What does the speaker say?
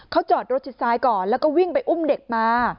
เขาจอดรถชิดซ้ายก่อนแล้วก็วิ่งไปอุ้มเด็กมา